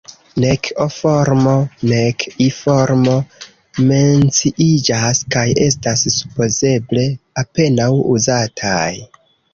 Nek O-formo, nek I-formo menciiĝas, kaj estas supozeble apenaŭ uzataj.